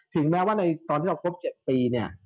แม้ว่าในตอนที่เราครบ๗ปีเนี่ย